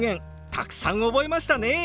たくさん覚えましたね！